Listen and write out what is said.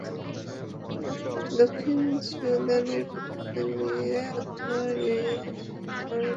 দক্ষিণ সুদানের পতাকা নিয়ে রিওতে যাওয়ার চেয়ে ভালো কিছু হতে পারে না।